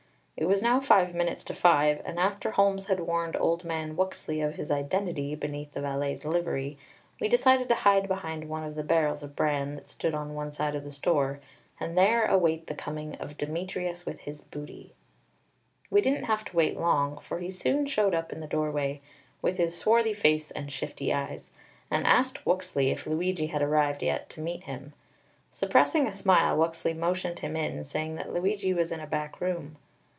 It was now five minutes to five, and after Holmes had warned old man Wuxley of his identity beneath the valet's livery, we decided to hide behind one of the barrels of bran that stood on one side of the store, and there await the coming of Demetrius with his booty. We didn't have long to wait, for he soon showed up in the doorway, with his swarthy face and shifty eyes, and asked Wuxley if Luigi had arrived yet to meet him. Suppressing a smile, Wuxley motioned him in, saying that Luigi was in a back room.